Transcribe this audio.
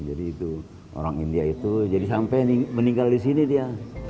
jadi itu orang india itu jadi sampai meninggal di sini dia